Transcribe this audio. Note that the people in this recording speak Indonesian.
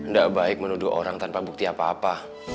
tidak baik menuduh orang tanpa bukti apa apa